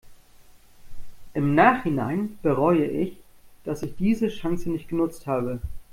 Im Nachhinein bereue ich, dass ich diese Chance nicht genutzt habe.